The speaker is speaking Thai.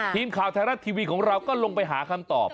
ทีมข่าวไทยรัฐทีวีของเราก็ลงไปหาคำตอบ